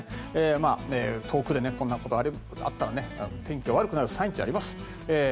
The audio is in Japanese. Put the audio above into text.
遠くでこんなことがあったら天気が悪くなるサインです。